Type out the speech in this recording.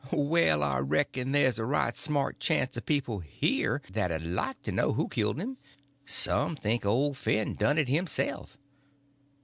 "Well, I reckon there's a right smart chance of people here that'd like to know who killed him. Some think old Finn done it himself."